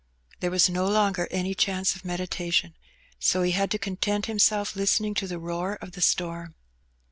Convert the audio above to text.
There was no longer any chance of meditation, so he had to content himself listening to the roar of the storm.